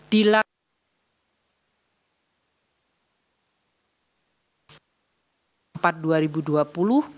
dan kemudian di tahun dua ribu dua puluh